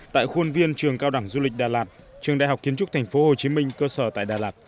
tại khuôn viên trường cao đẳng du lịch đà lạt trường đại học kiến trúc tp hcm cơ sở tại đà lạt